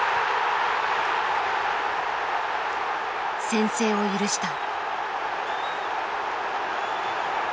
先制を許した。